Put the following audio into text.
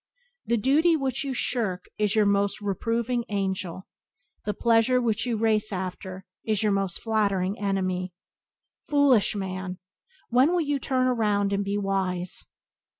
The duty which you shirk is your reproving angel; the pleasure which you race after is your flattering enemy. Foolish man! when will you turn round and be wise?